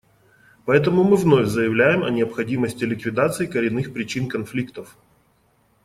Поэтому мы вновь заявляем о необходимости ликвидации коренных причин конфликтов.